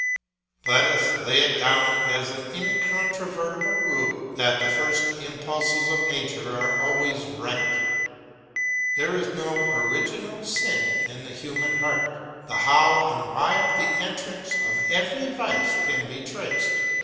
Let us lay it down as an incontrovertible rule that the first impulses of nature are always right; there is no original sin in the human heart, the how and why of the entrance of every vice can be traced.